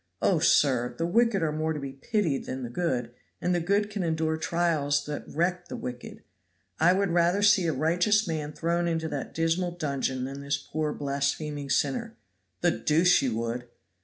Oh, sir! the wicked are more to be pitied than the good; and the good can endure trials that wreck the wicked. I would rather see a righteous man thrown into that dismal dungeon than this poor blaspheming sinner." "The deuce you would!"